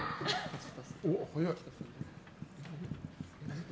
おお、早い。